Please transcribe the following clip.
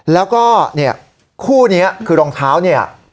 แล้วก็เนี่ยคู่นี้คือรองเท้าเนี่ย